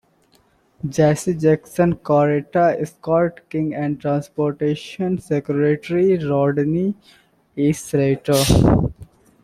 Jesse Jackson, Coretta Scott King and Transportation Secretary Rodney E. Slater.